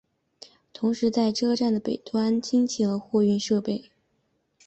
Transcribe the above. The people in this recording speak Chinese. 同时在车站的北端则兴起了货运设施。